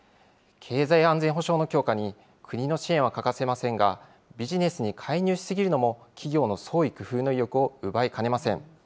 経済安全保障の強化に国の支援は欠かせませんが、ビジネスに介入し過ぎるのも、企業の創意工夫の意欲を奪いかねません。